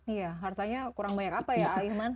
iya hartanya kurang banyak apa ya al iman